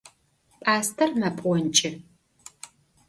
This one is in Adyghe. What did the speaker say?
P'aster mep'onç'ı.